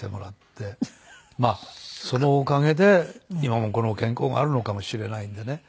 そのおかげで今もこの健康があるのかもしれないんでね。